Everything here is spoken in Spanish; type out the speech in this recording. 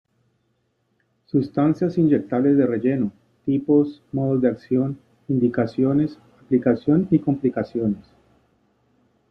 Sustancias inyectables de relleno: tipos, modos de acción, indicaciones, aplicación y complicaciones.